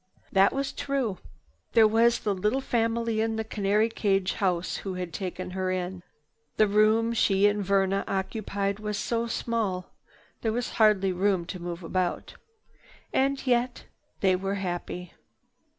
This was true. There was the little family in the canary cage house who had taken her in. The room she and Verna occupied was so small. There was hardly room to move about. Yet they were happy.